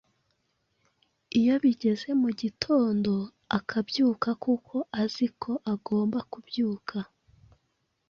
Iyo bigeze mu gitondo akabyuka, kuko azi ko agomba kubyuka.